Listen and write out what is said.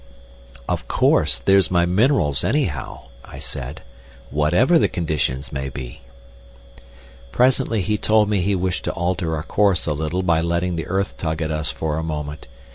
"Of course, there's my minerals, anyhow," I said; "whatever the conditions may be." Presently he told me he wished to alter our course a little by letting the earth tug at us for a moment.